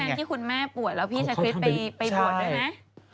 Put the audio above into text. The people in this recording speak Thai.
ช่วงนั้นที่คุณแม่ปวดแล้วพี่สคริสต์ไปปวดด้วยไหม